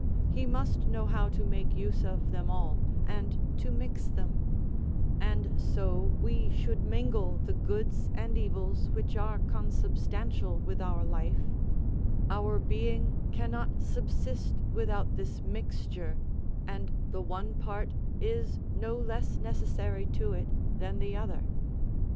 he must know how to make use of them all, and to mix them; and so we should mingle the goods and evils which are consubstantial with our life; our being cannot subsist without this mixture, and the one part is no less necessary to it than the other.